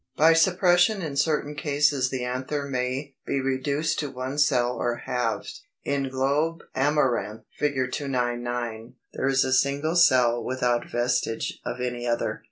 293. By suppression in certain cases the anther may be reduced to one cell or halved. In Globe Amaranth (Fig. 299) there is a single cell without vestige of any other.